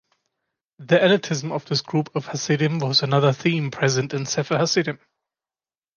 The elitism of this group of Hasidim was another theme present in Sefer Hasidim.